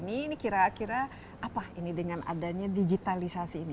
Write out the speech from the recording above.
ini kira kira apa ini dengan adanya digitalisasi ini